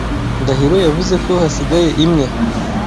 Ndahiro yavuze ko hasigaye imwe.